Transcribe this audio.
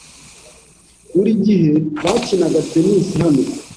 Buri gihe bakinaga tennis hano.